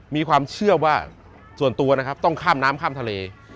มีความเชื่อว่าส่วนตัวนะครับต้องข้ามน้ำข้ามทะเล